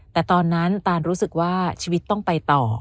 แต่ตอนนั้นตานรู้สึกว่าชีวิตต้องไปต่อ